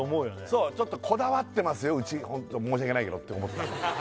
そう「こだわってますようちホント申し訳ないけど」って思った